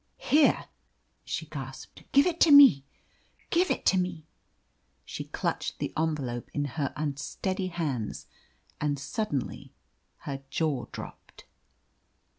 "Here," she gasped, "give it to me! give it to me!" She clutched the envelope in her unsteady hands, and suddenly her jaw dropped.